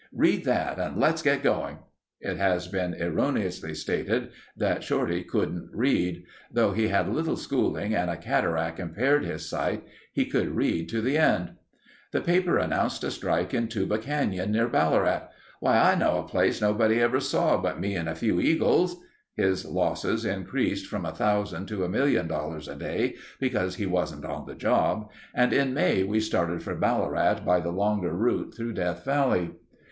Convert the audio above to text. "Read that and let's get going." (It has been erroneously stated that Shorty couldn't read. Though he had little schooling and a cataract impaired his sight, he could read to the end.) The paper announced a strike in Tuba Canyon near Ballarat. "Why, I know a place nobody ever saw but me and a few eagles...." His losses increased from a thousand to a million dollars a day because he wasn't on the job, and in May we started for Ballarat by the longer route through Death Valley.